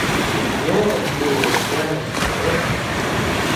Juó chinus yana ñeʼe.